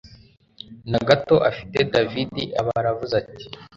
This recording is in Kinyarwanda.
nagato afite david aba aravuze ati